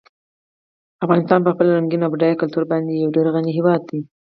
افغانستان په خپل رنګین او بډایه کلتور باندې یو ډېر غني هېواد دی.